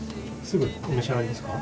すぐお召し上がりですか？